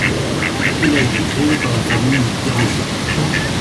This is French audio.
Il a été créé par la famille Ghermezian.